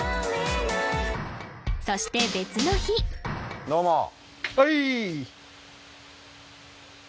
そして別の日どうもはい！